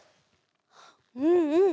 うんうん。